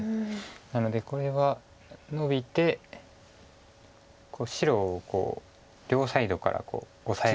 なのでこれはノビて白を両サイドから抑え込むというか。